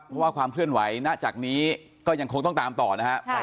เพราะว่าความเคลื่อนไหวณจากนี้ก็ยังคงต้องตามต่อนะครับ